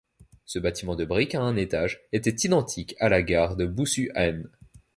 Ce bâtiment de brique à un étage était identique à la gare de Boussu-Haine.